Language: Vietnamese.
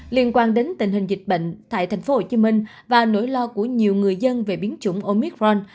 liên quan đến tình hình dịch bệnh tại tp hcm và nỗi lo của nhiều người dân về biến chủng omic ron